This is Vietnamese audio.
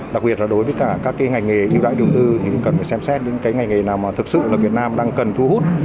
đặc biệt là đối với cả các cái ngành nghề yêu đãi đầu tư thì cũng cần phải xem xét đến cái ngành nghề nào mà thực sự là việt nam đang cần thu hút